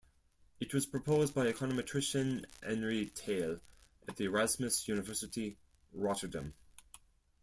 It was proposed by econometrician Henri Theil at the Erasmus University Rotterdam.